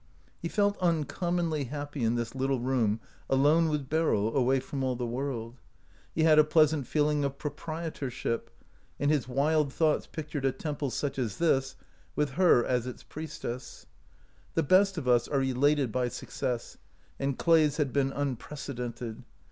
He felt uncommonly happy in this little room alone with Beryl, away from all the world. He had a pleasant feeling of pro prietorship, and his wild thoughts pictured a temple such as this, with her as its priestess. The best of us are elated by success, and Clay's had been unprecedented.